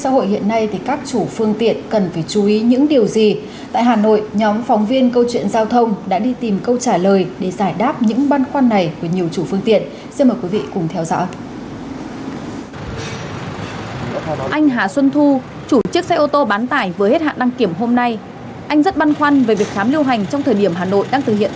tất cả các chủ phương tiện khi đến đây đều phải tiến hành đo thân nhiệt sát khuẩn và khai báo y tế